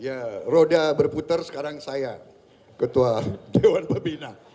ya roda berputar sekarang saya ketua dewan pembina